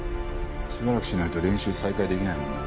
しばらくしないと練習再開できないもんな。